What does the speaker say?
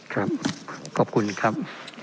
ครับขอบคุณครับ